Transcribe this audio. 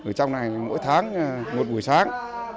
ở trong này mỗi tháng một buổi sáng